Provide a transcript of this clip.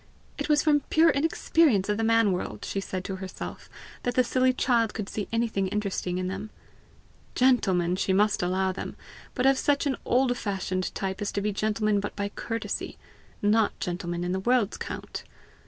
It was from pure inexperience of the man world, she said to herself, that the silly child could see anything interesting in them! GENTLEMEN she must allow them but of such an old fashioned type as to be gentlemen but by courtesy not gentlemen in the world's count!